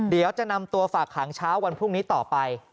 เดี๋ยวจะนำตัวฝากหางเช้าวันพรุ่งนี้ต่อไป